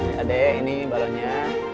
ini adek ini balonnya